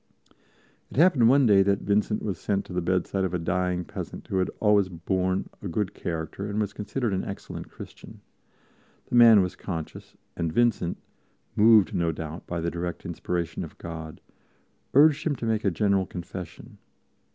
It happened one day that Vincent was sent to the bedside of a dying peasant who had always borne a good character and was considered an excellent Christian. The man was conscious, and Vincent moved, no doubt, by the direct inspiration of God urged him to make a General Confession.